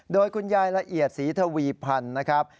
โดยคุณยายละเอียดศรีทวีพันธ์นะครับ